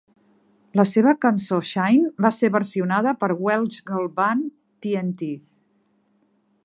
La seva cançó "Shine" va ser versionada per Welsh Girl Band TnT.